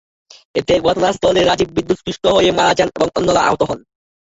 এতে ঘটনাস্থলে রাজিব বিদ্যুৎস্পৃষ্ট হয়ে মারা যান এবং অন্যরা আহত হন।